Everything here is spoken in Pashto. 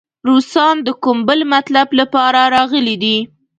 روسان د کوم بل مطلب لپاره راغلي دي.